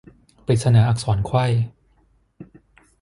ปริศนาอักษรไขว้